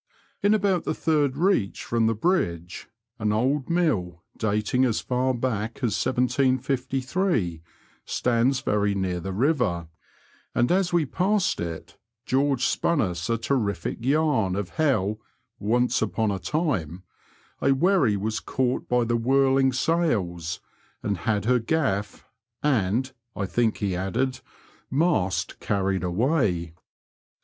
In about the third reach ftom the bridge, an old mill, dating as for bade as 1758, stands very near the river, and as we passed it George spun us a terrific jram of how once upon a time " a wherry was caught by the whirling sails and had her gaff and (I think he added) mast carried away.